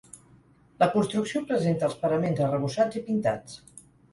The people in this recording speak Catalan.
La construcció presenta els paraments arrebossats i pintats.